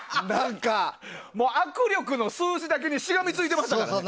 握力の数字だけにしがみついてましたからね。